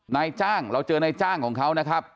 นายจ้างเราเจอนายจ้างของเขานะครับ